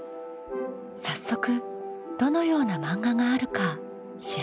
早速どのような漫画があるか調べてみます。